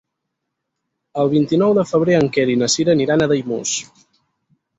El vint-i-nou de febrer en Quer i na Sira aniran a Daimús.